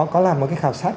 có làm một cái khảo sát